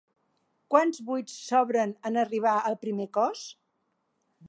Quants buits s'obren en arribar al primer cos?